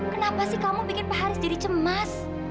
kenapa sih kamu bikin pak haris jadi cemas